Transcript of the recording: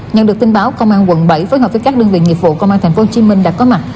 nhận được tin báo công an quận bảy phối hợp với các đơn vị nghiệp vụ công an tp hcm đã có mặt